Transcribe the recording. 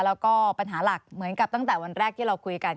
แล้วก็ปัญหาหลักเหมือนกับตั้งแต่วันแรกที่เราคุยกัน